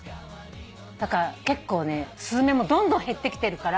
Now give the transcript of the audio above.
だから結構ねスズメもどんどん減ってきてるから。